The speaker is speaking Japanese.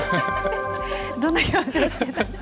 どんな表情してた？